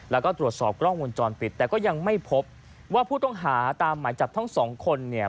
แล้วก็ตรวจสอบกล้องวงจรปิดแต่ก็ยังไม่พบว่าผู้ต้องหาตามหมายจับทั้งสองคนเนี่ย